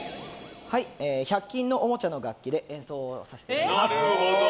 １００均のおもちゃ楽器で演奏させていただきます。